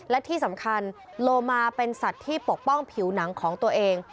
และที่สำคัญโลมาเป็นสัตว์ที่ปกป้องผิวหนังของตัวเอง